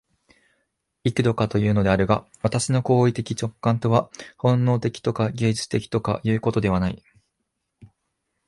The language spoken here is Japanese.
幾度かいうのであるが、私の行為的直観とは本能的とか芸術的とかいうことではない。